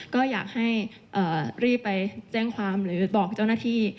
ก็อยากให้รีบไปแจ้งความหรือบอกเจ้าหน้าที่